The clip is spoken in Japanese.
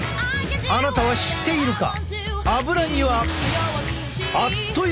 あなたは知っているか？